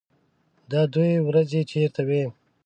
_دا دوې ورځې چېرته وې؟